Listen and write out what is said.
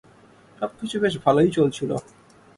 সবকিছু বেশ ভালোই চলছিল।